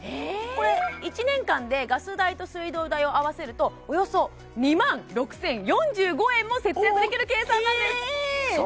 これ１年間でガス代と水道代を合わせるとおよそ２万６０４５円も節約できる計算なんですおっきい！